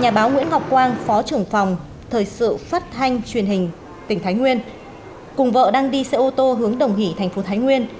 nhà báo nguyễn ngọc quang phó trưởng phòng thời sự phát thanh truyền hình tỉnh thái nguyên cùng vợ đang đi xe ô tô hướng đồng hỷ thành phố thái nguyên